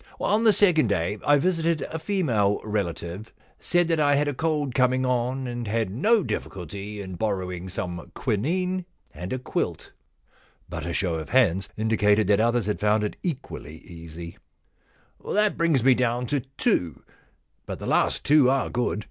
On the second day I visited a female relative, said that I had a cold coming on, and had no difficulty in borrowing some quinine and a quilt.' But a show of hands indicated that others had found it equally easy. 2c6 The Q Loan Problem * That brings me down to two, but the last two are good.